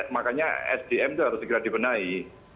makanya sdm itu harus segera dibenahi